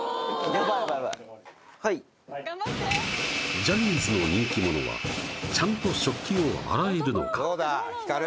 やばい頑張ってジャニーズの人気者はちゃんと食器を洗えるのか？